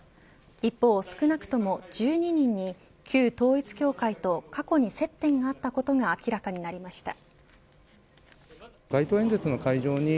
一方、少なくとも１２人に旧統一教会と過去に接点があったことが明らかになりました。